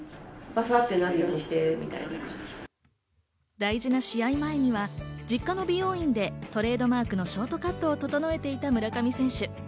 大事な試合前には実家の美容院でトレードマークのショートカットを整えていた村上選手。